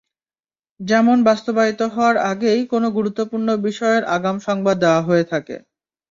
যেমন বাস্তবায়িত হওয়ার আগেই কোন গুরুত্বপূর্ণ বিষয়ের আগাম সংবাদ দেওয়া হয়ে থাকে।